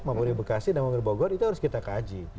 mamunir bekasi dan mamunir bogor itu harus kita kaji